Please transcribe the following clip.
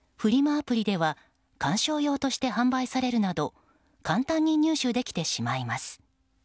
アプリでは観賞用として販売されるなど簡単に入手できてしまいます。